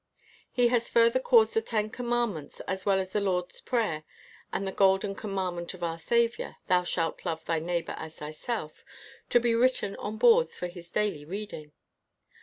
He lias fur ther caused the Ten Commandments as well as the Lord's Prayer and the golden com mandment of our Saviour, 'Thou shalt love thy neighbor as thyself,' to be written on boards for his daily reading.